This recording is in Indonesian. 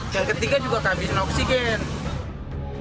yang ketiga juga kehabisan oksigen